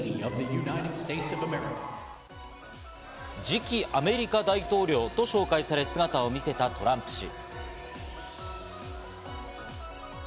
次期アメリカ大統領と紹介され、姿を見せたトランプ氏。